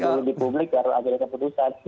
sampai dulu di publik baru akhirnya keputusan